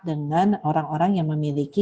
dengan orang orang yang memiliki